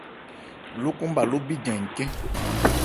Lókɔn bhâ ló bíjan ncɛ́n.